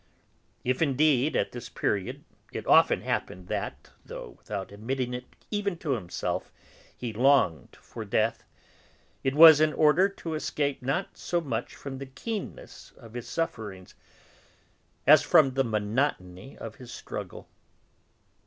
If indeed, at this period, it often happened that, though without admitting it even to himself, he longed for death, it was in order to escape not so much from the keenness of his sufferings as from the monotony of his struggle.